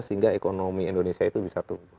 sehingga ekonomi indonesia itu bisa tumbuh